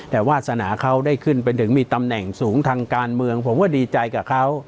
แต่วาสนาเขาได้ขึ้นไปถึงมีตำแหน่งสูงทางการเมืองผมก็ดีใจกับเขา